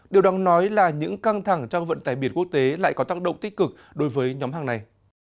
điều đáng nói là những căng thẳng trong vận tải biển quốc tế lại có tác động tích cực đối với nhóm hàng này